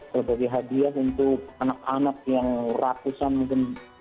berbagai hadiah untuk anak anak yang ratusan mungkin